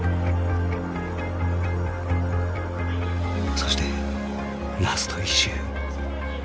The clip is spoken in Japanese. そしてラスト１周。